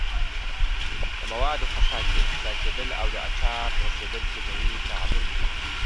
د موادو خسا کیدل او د آچار رسیدل کیمیاوي تعامل دي.